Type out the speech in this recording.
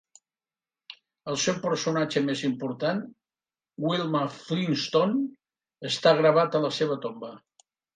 El seu personatge més important, Wilma Flintstone, està gravat a la seva tomba.